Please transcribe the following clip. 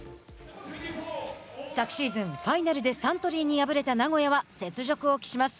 昨シーズン、ファイナルでサントリーに敗れた名古屋は雪辱を期します。